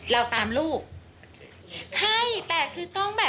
ก็ต้องมึกถึงแล้ว